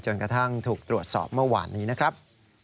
กระทั่งถูกตรวจสอบเมื่อวานนี้นะครับ